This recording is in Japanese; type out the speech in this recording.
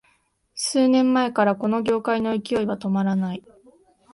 数年前からこの業界の勢いは止まらない